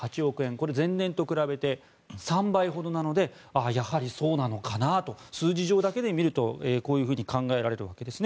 これ、前年と比べて３倍ほどなのでやはりそうなのかなと数字上だけで見るとこういうふうに考えられるわけですね。